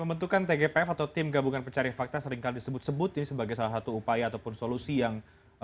pembentukan tgpf atau tim gabungan pencari fakta seringkali disebut sebut sebagai salah satu upaya ataupun solusi yang